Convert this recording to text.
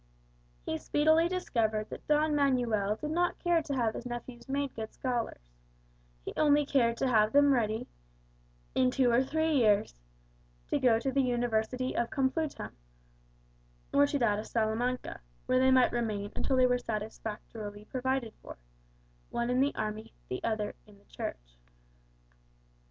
He speedily discovered that Don Manuel did not care to have his nephews made good scholars: he only cared to have them ready, in two or three years, to go to the University of Complutum, or to that of Salamanca, where they might remain until they were satisfactorily provided for one in the Army, the other in the Church.